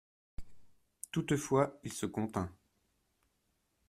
Toutefois il se contint.